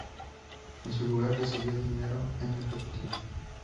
En su lugar recibió dinero en efectivo.